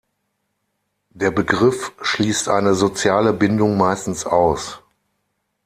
Der Begriff schließt eine soziale Bindung meistens aus.